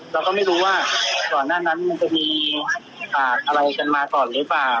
เราก็ไม่รู้ว่าก่อนหน้านั้นมันจะมีอะไรกันมาก่อนหรือเปล่า